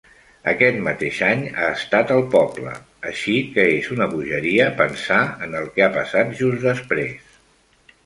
Aquest mateix any he estat al poble, així que és una bogeria pensar en el que ha passat just després.